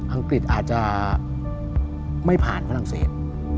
อังกฤษอาจจะไม่ผ่านฝรั่งเศส